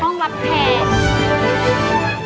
ห้องรับแขก